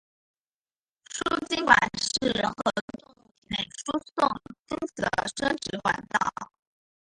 输精管是人和动物体内输送精子的生殖管道。